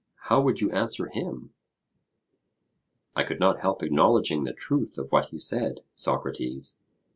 how would you answer him? I could not help acknowledging the truth of what he said, Socrates.